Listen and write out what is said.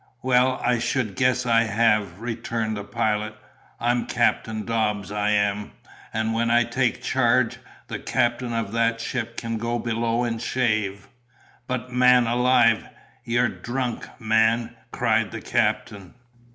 "Well, I should guess I have," returned the pilot. "I'm Captain Dobbs, I am; and when I take charge, the captain of that ship can go below and shave." "But, man alive! you're drunk, man!" cried the captain.